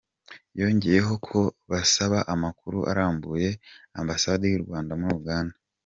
Yongeyeho ko basaba amakuru arambuye ambasade y’u Rwanda muri Uganda.